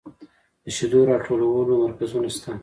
د شیدو راټولولو مرکزونه شته؟